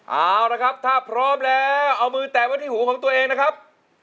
เอาละครับถ้าพร้อมแล้วเอามือแตะไว้ที่หูของตัวเองนะครับ